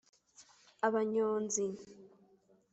abanyonzi